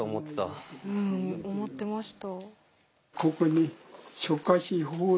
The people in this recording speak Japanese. うん思ってました。